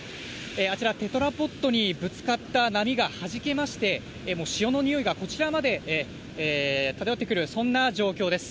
あちら、テトラポットにぶつかった波がはじけまして、潮のにおいがこちらまで漂ってくる、そんな状況です。